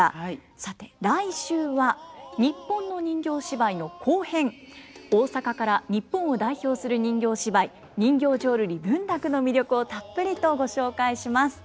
さて来週は日本の人形芝居の後編大阪から日本を代表する人形芝居人形浄瑠璃文楽の魅力をたっぷりとご紹介します。